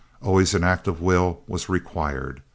Always an act of will was required.